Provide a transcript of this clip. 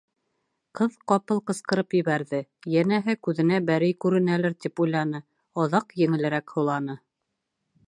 Ҡыҙ ҡапыл ҡысҡырып ебәрҙе, йәнәһе, күҙенә бәрей күренәлер тип уйланы, аҙаҡ еңелерәк һуланы.